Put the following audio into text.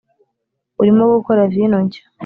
urimo gukora vino nshya